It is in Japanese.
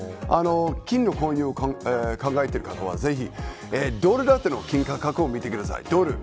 金の購入を考えている方はぜひドル建ての金価格を見てください。